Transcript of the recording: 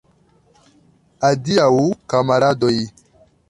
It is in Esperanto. Adiaŭ, kamaradoj!